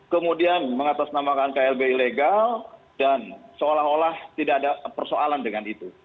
kemudian mengatasnamakan klb ilegal dan seolah olah tidak ada persoalan dengan itu